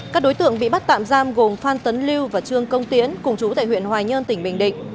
các đối tượng bị bắt tạm giam gồm phan tấn lưu và trương công tiến cùng chú tại huyện hoài nhơn tỉnh bình định